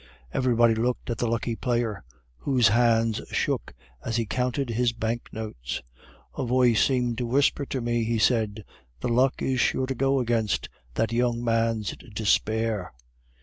Everybody looked at the lucky player, whose hands shook as he counted his bank notes. "A voice seemed to whisper to me," he said. "The luck is sure to go against that young man's despair."